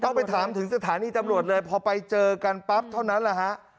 ไปถามถึงสถานีตำรวจเลยพอไปเจอกันปั๊บเท่านั้นแหละฮะ